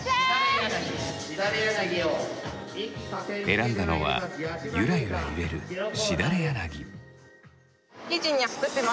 選んだのはゆらゆら揺れるしだれ柳。